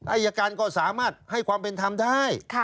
อายการก็สามารถให้ความเป็นธรรมได้